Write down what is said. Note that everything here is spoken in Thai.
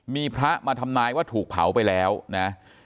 มีพระมาทำนายว่าถูกเผาไปแล้วนะ